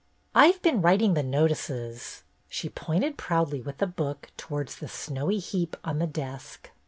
"I 've been writing the notices." She pointed proudly with the book towards the snowy heap on the desk.